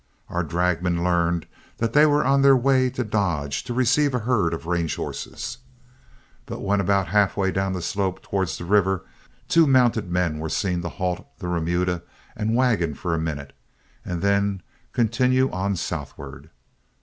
Our dragmen learned that they were on their way to Dodge to receive a herd of range horses. But when about halfway down the slope towards the river, two mounted men were seen to halt the remuda and wagon for a minute, and then continue on southward.